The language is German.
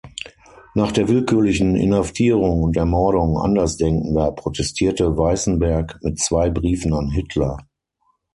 Nach der willkürlichen Inhaftierung und Ermordung Andersdenkender protestierte Weißenberg mit zwei Briefen an Hitler.